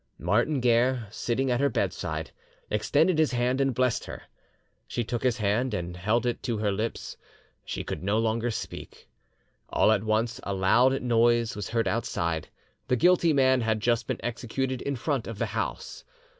Martin Guerre, sitting at her bedside, extended his hand and blessed her. She took his hand and held it to her lips; she could no longer speak. All at once a loud noise was heard outside: the guilty man had just been executed in front of the house.